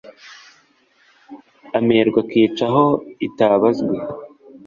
Amerwe akica aho itabazwe